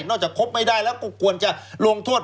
โน้ทจะคบไม่ได้แหละก็ควรจะลงโทษ